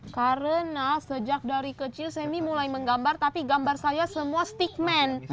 karena sejak dari kecil semi mulai menggambar tapi gambar saya semua stickman